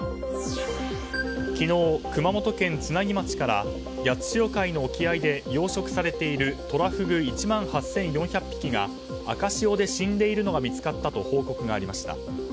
昨日、熊本県津奈木町から八代海の沖合で養殖されているトラフグ１万８４００匹が赤潮で死んでいるのが見つかったと報告がありました。